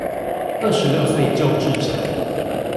二十六歲就置產